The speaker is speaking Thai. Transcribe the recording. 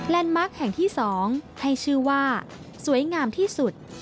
มาร์คแห่งที่๒ให้ชื่อว่าสวยงามที่สุด